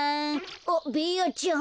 あっベーヤちゃん。